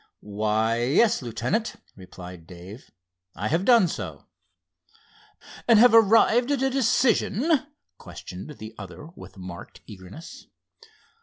"Why, yes, Lieutenant," replied Dave, "I have done so." "And have arrived at a decision?" questioned the other with marked eagerness.